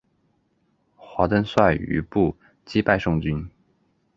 华登率余部击败宋军。